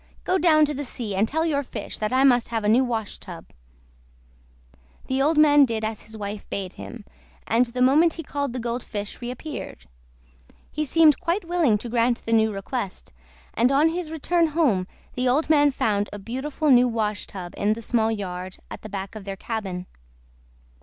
"Go down to the sea and tell your fish that I must have a new washtub." The old man did as his wife bade him, and the moment he called the Gold Fish reappeared. He seemed quite willing to grant the new request, and on his return home the old man found a beautiful new washtub in the small yard at the back of their cabin.